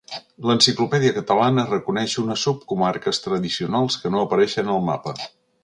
L'Enciclopèdia Catalana reconeix unes subcomarques tradicionals que no apareixen al mapa.